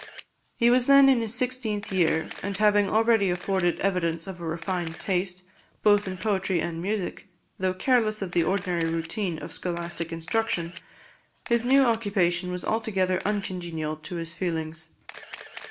He was then in his sixteenth year; and having already afforded evidence of a refined taste, both in poetry and music, though careless of the ordinary routine of scholastic instruction, his new occupation was altogether uncongenial to his feelings.